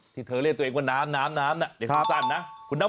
ที่เธอเรียกตัวเองว่าน้ำน้ำน้ำน่ะเรียกสั้นนะ